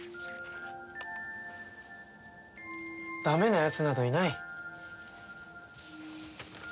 ダメなやつなどいない。